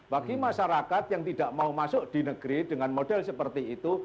bagi masyarakat yang tidak mau masuk di negeri dengan model seperti itu